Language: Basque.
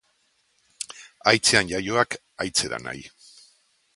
Haitzean jaioak haitzera nahi.